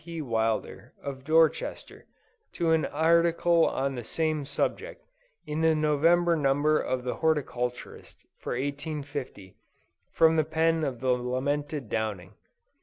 P. Wilder, of Dorchester, to an article on the same subject, in the Nov. number of the Horticulturist, for 1850, from the pen of the lamented Downing.